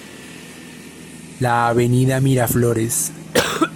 La Av Miraflores.